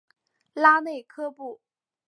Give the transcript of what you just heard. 拉内科布。